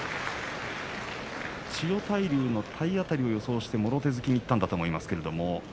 千代大龍の体当たりを予想してもろ手突きにいったと思います。